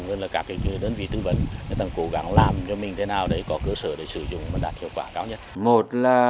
rồi là các cái đơn vị tư vấn cố gắng làm cho mình thế nào để có cơ sở để sử dụng và đạt hiệu quả cao nhất